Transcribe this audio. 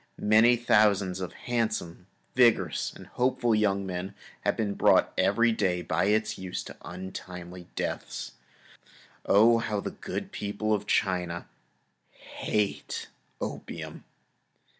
Many thousands of handsome, vigorous, and hopeful young men are brought every day by its use to untimely deaths. Oh! how the good people of China hate opium.